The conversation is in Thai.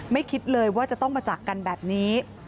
คิดเลยว่าจะต้องมาจากกันแบบนี้